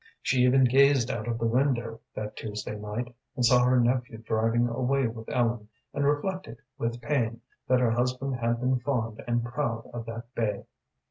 She even gazed out of the window, that Tuesday night, and saw her nephew driving away with Ellen, and reflected, with pain, that her husband had been fond and proud of that bay.